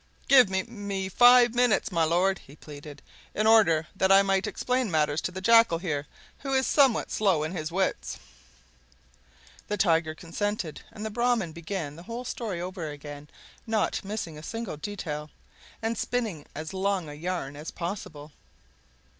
"Give mime five minutes, my lord!" he pleaded, "in order that I may explain matters to the Jackal here, who is somewhat slow in his wits." The Tiger consented, and the Brahman began the whole story over again, not missing a single detail, and spinning as long a yarn as possible.